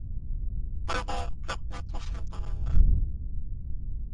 তাদের একমাত্র সন্তানের নাম।